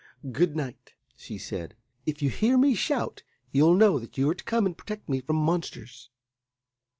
"Good night!" she said; "if you hear me shout you'll know that you're to come and protect me from monsters.